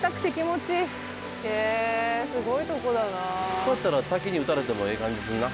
ここやったら滝に打たれてもええ感じするな。